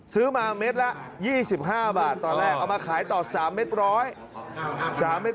ซื้อมาเม็ดละ๒๕บาทตอนแรกเอามาขายเท่า๓๑๐๐